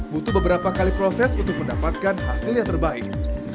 butuh beberapa kali proses untuk mendapatkan hasil yang terbaik